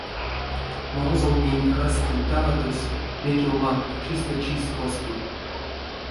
Морозовтнень раськень тарадось, мекевлангт, чистэ чис коськиль.